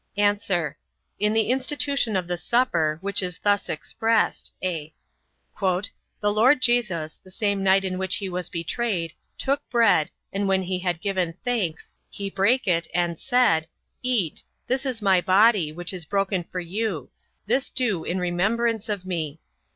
A. In the institution of the supper, which is thus expressed: (a) "The Lord Jesus, the same night in which he was betrayed, took bread, and when he had given thanks, he brake it, and: said: eat, this is my body, which is broken for you; this do in remembrance of me.